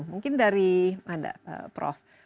mungkin dari anda prof